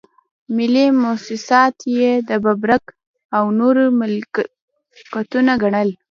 ملي مواسسات یې د ببرک او نورو ملکيتونه ګڼل.